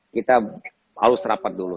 kita harus rapat dulu